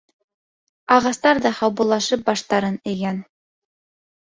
Ағастар ҙа һаубуллашып баштарын эйгән.